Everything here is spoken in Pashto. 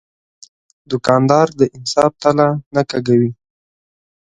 دوکاندار د انصاف تله نه کږوي.